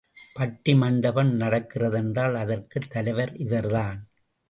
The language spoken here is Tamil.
பட்டி மண்டபம் நடக்கிறதென்றால் அதற்குத் தலைவர் இவர்தான்.